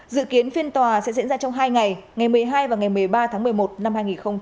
dự kiến phiên tòa sẽ diễn ra trong hai ngày ngày một mươi hai và ngày một mươi ba tháng một mươi một năm hai nghìn hai mươi